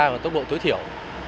và tốc độ tối thiểu